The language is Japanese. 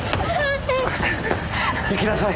行きなさい。